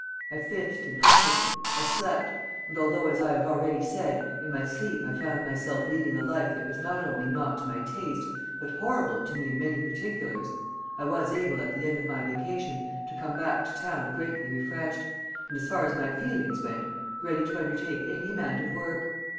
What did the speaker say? I fished and hunted. I slept; and although, as I have already said, in my sleep I found myself leading a life that was not only not to my taste, but horrible to me in many particulars, I was able at the end of my vacation to come back to town greatly refreshed, and, as far as my feelings went, ready to undertake any amount of work.